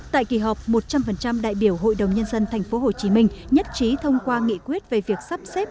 tại kỳ họp một trăm linh đại biểu hội đồng nhân dân tp hcm nhất trí thông qua nghị quyết về việc sắp xếp